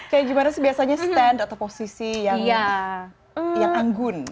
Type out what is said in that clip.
kayak gimana sih biasanya stand atau posisi yang anggun